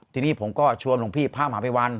ทีนี้ผมก็ชวนหลวงพี่พระมหาภัยวัน